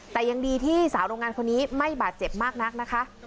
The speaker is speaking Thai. แต่ยังดีที่สาวโรงงานคนนี้ไม่บาดเจ็บมากนักนะคะ